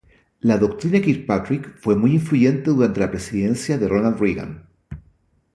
La Doctrina Kirkpatrick fue muy influyente durante la presidencia de Ronald Reagan.